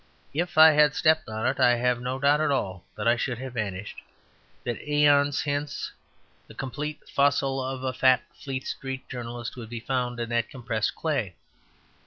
If I had stepped on it I have no doubt at all that I should have vanished; that aeons hence the complete fossil of a fat Fleet Street journalist would be found in that compressed clay.